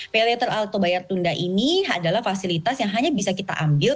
pay letter autobayar tunda ini adalah fasilitas yang hanya bisa kita ambil